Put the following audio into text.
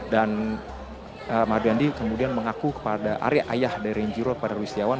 dan mario dandwi kemudian mengaku kepada arya ayah dari renjiro pada rudy setiawan